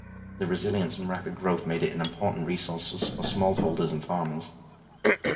The resilience and rapid growth made it an important resource for smallholders and farmers.